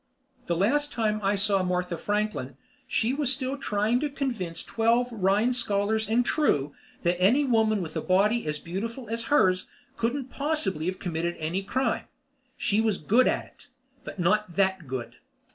The last time I saw Martha Franklin, she was still trying to convince twelve Rhine Scholars and True that any woman with a body as beautiful as hers couldn't possibly have committed any crime. She was good at it, but not that good.